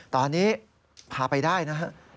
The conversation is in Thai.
ตอนนี้พาไปได้นะครับ